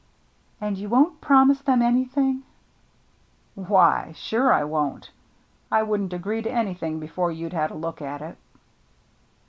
" And you won't promise them anything ?"" Why, sure I won't. I wouldn't agree to anything before you'd had a look at it."